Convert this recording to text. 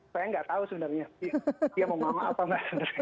saya nggak tahu sebenarnya dia mau mau apa nggak sebenarnya